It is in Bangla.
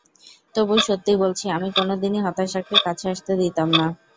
তবুও, সত্যি বলছি, আমি কোনো দিনই হতাশাকে কাছে আসতে দিতাম না।